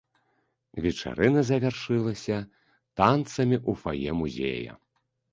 Вечарына завяршылася танцамі ў фае музея.